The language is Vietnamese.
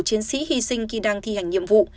chiến sĩ hy sinh khi đang thi hành nhiệm vụ